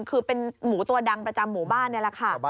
คือเป็นหมูตัวดังประจำหมู่บ้านนี่แหละค่ะ